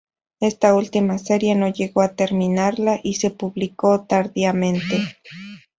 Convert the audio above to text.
Esta última serie no llegó a terminarla, y se publicó tardíamente.